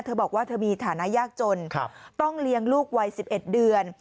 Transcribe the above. เธอบอกว่าเธอมีฐานะยากจนต้องเลี้ยงลูกวัย๑๑เดือน